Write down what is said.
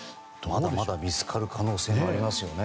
まだまだ見つかる可能性もありますよね。